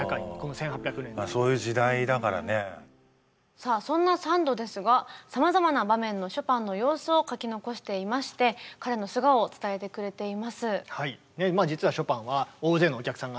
さあそんなサンドですがさまざまな場面のショパンの様子を書き残していまして彼の素顔を伝えてくれています。